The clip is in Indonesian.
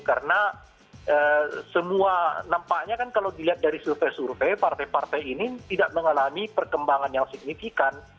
karena semua nampaknya kan kalau dilihat dari survei survei partai partai ini tidak mengalami perkembangan yang signifikan